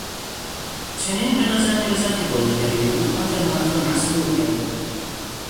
چنین به نظر میرسد که بازیگری او آن جماعت را مسحور کرده بود.